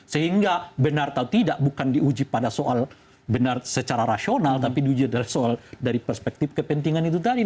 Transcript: sehingga benar atau tidak bukan diuji pada soal benar secara rasional tapi diuji dari soal dari perspektif kepentingan itu tadi